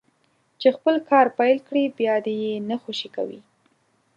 چې خپل کار پيل کړي بيا دې يې نه خوشي کوي.